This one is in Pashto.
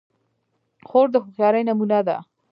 خور د هوښیارۍ نمونه ده.